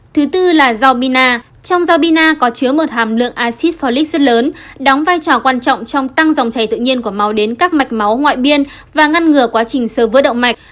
thứ tư là rau bina trong rau bina có chứa một hàm lượng acid folic rất lớn đóng vai trò quan trọng trong tăng dòng chảy tự nhiên của máu đến các mạch máu ngoại biên và ngăn ngừa quá trình sơ vữa động mạch